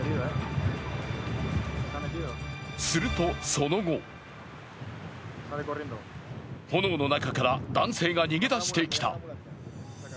すると、その後炎の中から男性が逃げ出してきた。